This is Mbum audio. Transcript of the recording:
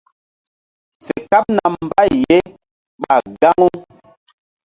Fe kaɓna mbay ye ra ɓah gaŋu.